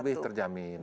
harus lebih terjamin